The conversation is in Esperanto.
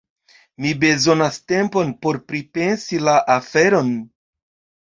Mi bezonas tempon por pripensi la aferon.